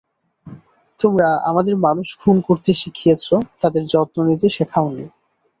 তোমরা আমাদের মানুষ খুন করতে শিখিয়েছ, তাদের যত্ন নিতে শেখাওনি।